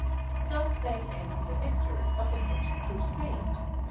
Thus then ends the history of the first Crusade.